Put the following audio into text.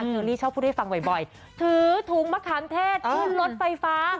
นี่ชอบพูดให้ฟังบ่อยถือถุงมะคารเทศถึงรถไฟฟ้า